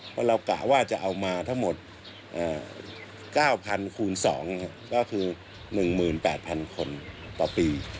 เพราะเรากะว่าจะเอามาทั้งหมด๙๐๐คูณ๒ก็คือ๑๘๐๐๐คนต่อปี